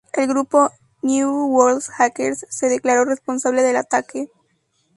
El grupo "New World Hackers" se declaró responsable del ataque.